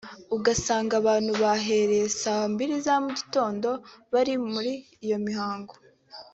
ugasanga abantu bahereye saa mbiri za mu gitondo bari muri iyo mihango